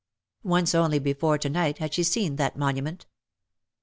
Once only before to night had she seen that monument.